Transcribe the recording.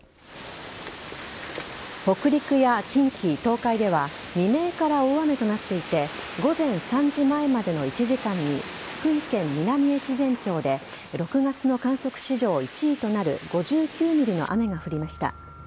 北陸や近畿、東海では未明から大雨となっていて午前３時前までの１時間に福井県南越前町で６月の観測史上１位となる５９ｍｍの雨が降りました。